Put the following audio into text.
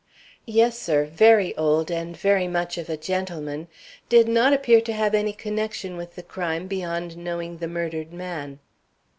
"Yes, sir, very old and very much of a gentleman, did not appear to have any connection with the crime beyond knowing the murdered man."